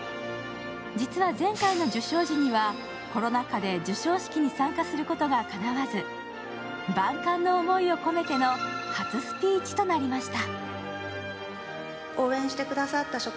実は前回の受賞時には、コロナ禍で授賞式に参加することがかなわず、万感の思いを込めての初スピーチとなりました。